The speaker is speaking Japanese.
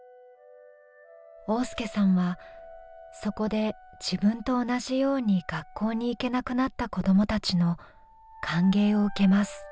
旺亮さんはそこで自分と同じように学校に行けなくなった子どもたちの歓迎を受けます。